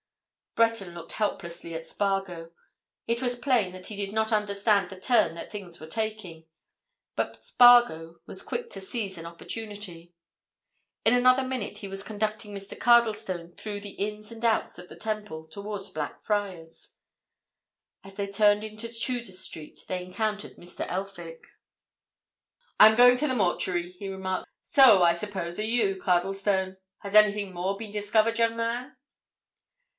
Breton looked helplessly at Spargo: it was plain that he did not understand the turn that things were taking. But Spargo was quick to seize an opportunity. In another minute he was conducting Mr. Cardlestone through the ins and outs of the Temple towards Blackfriars. And as they turned into Tudor Street they encountered Mr. Elphick. "I am going to the mortuary," he remarked. "So, I suppose, are you, Cardlestone? Has anything more been discovered, young man?"